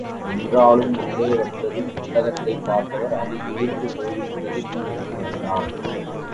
என்றாலும் உள்ளே வந்ததும், புத்தகத்தைப் பார்த்தவர், அது, கிழிந்து போயிருப்பதைக் கவனித்து விட்டார்.